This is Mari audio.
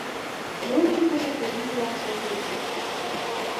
Ончыкыжо тыге илаш ок лий.